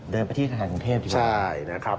เดินไปที่ธนาคารกรุงเทพฯดีกว่า